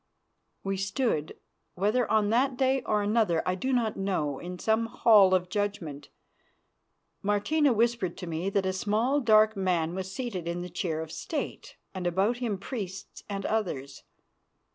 We stood, whether on that day or another I do not know, in some hall of judgment. Martina whispered to me that a small, dark man was seated in the chair of state, and about him priests and others.